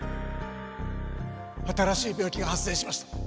新しい病気が発生しました。